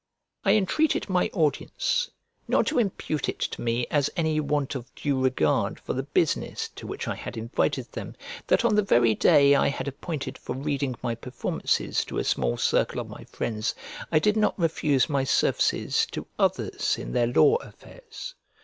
I entreated my audience not to impute it to me as any want of due regard for the business to which I had invited them that on the very day I had appointed for reading my performances to a small circle of my friends I did not refuse my services to others in their law affairs.